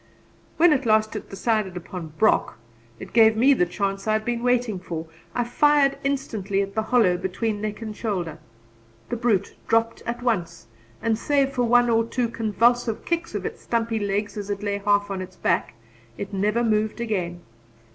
When at last it decided upon Brock, it gave me the chance I had been waiting for. I fired instantly at the hollow between neck and shoulder; the brute dropped at once, and save for one or two convulsive kicks of its stumpy legs as it lay half on its back, it never moved again.